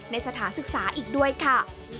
สถานศึกษาอีกด้วยค่ะ